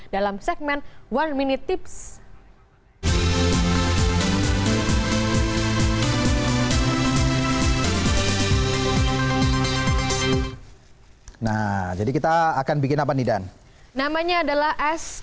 dalam segmen one minute tips